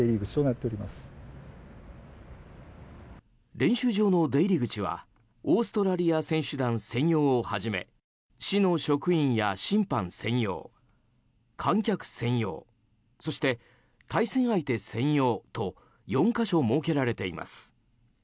練習場の出入り口はオーストラリア選手団専用をはじめ市の職員や審判専用観客専用そして、対戦相手専用と４か所設けられています。